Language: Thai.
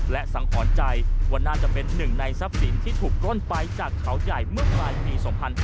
และสังหรณ์ใจว่าน่าจะเป็นหนึ่งในทรัพย์สินที่ถูกปล้นไปจากเขาใหญ่เมื่อปลายปี๒๕๕๙